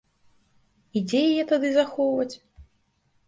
І дзе яе тады захоўваць?